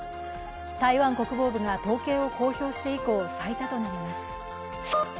台湾国防部が統計を公表して以降最多となります。